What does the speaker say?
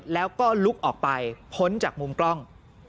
แล้วก็ลุกออกไปพ้นจากมุมกล้อง